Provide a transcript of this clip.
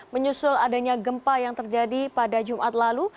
menyusul adanya gempa yang terjadi pada jumat lalu